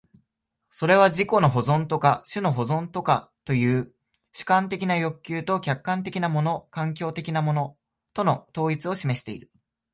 それは自己の保存とか種の保存とかという主観的な欲求と客観的なもの環境的なものとの統一を示している。